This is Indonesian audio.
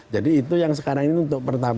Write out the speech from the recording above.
jadi itu yang sekarang ini untuk pertanyaan